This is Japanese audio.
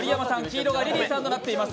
オレンジがリリーさんとなっています。